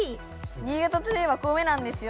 新潟といえば米なんですよ。